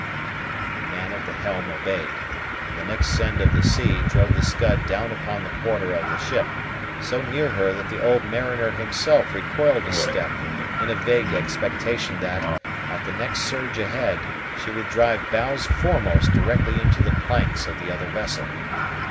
The man at the helm obeyed, and the next send of the sea drove the Scud down upon the quarter of the ship, so near her that the old mariner himself recoiled a step, in a vague expectation that, at the next surge ahead, she would drive bows foremost directly into the planks of the other vessel.